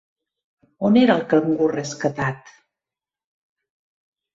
On era el cangur rescatat?